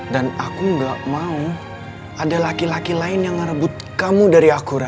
dan aku gak mau ada laki laki lain yang ngerebut kamu dari aku ra